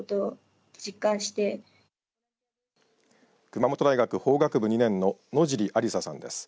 熊本大学法学部２年の野尻有紗さんです。